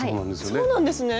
そうなんですね。